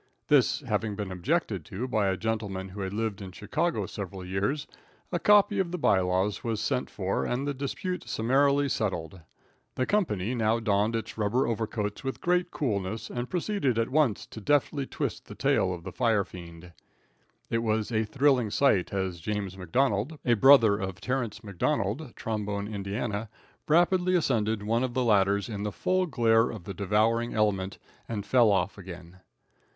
This having been objected to by a gentleman who had lived in Chicago several years, a copy of the by laws was sent for and the dispute summarily settled. The company now donned its rubber overcoats with great coolness and proceeded at once to deftly twist the tail of the firefiend. It was a thrilling sight as James McDonald, a brother of Terrance McDonald, Trombone, Ind., rapidly ascended one of the ladders in the full glare of the devouring element and fell off again.